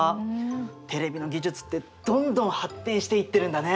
テレビの技術ってどんどん発展していってるんだね。